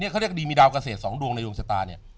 นี่เขาเรียกดีมีดาวกเกษตรสองดวงในโลงสตาร์เนี่ย